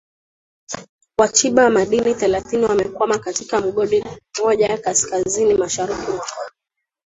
wachiba madini thelathini wamekwama katika mgodi mmoja kaskazini mashariki mwa colombia